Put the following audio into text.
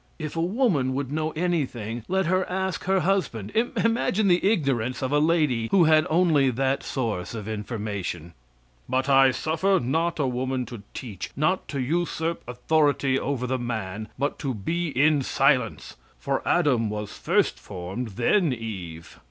If a woman would know anything let her ask her husband. Imagine the ignorance of a lady who had only that source of information! "But I suffer not a woman to teach, not to usurp authority over the man, but to be in silence. For Adam was first formed, then Eve.